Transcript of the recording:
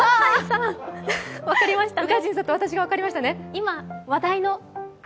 今、話題の国。